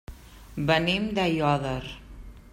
Venim d'Aiòder.